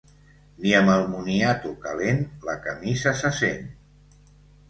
Ni amb el moniato calent la camisa se sent.